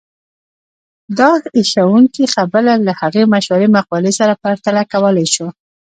دا هيښوونکې خبره له هغې مشهورې مقولې سره پرتله کولای شو.